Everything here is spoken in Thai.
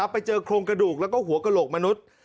ไปเจอโครงกระดูกแล้วก็หัวกระโหลกมนุษย์